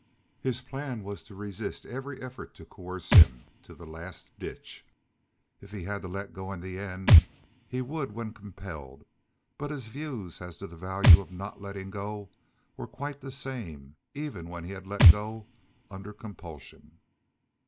His plan was to resist every effort to coerce him to the last ditch. If he had to let go in the end he would when compelled, but his views as to the value of not letting go were quite the same even when he had let go under compulsion.